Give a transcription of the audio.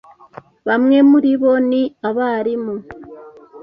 Bamwe muri bo ni abarimu.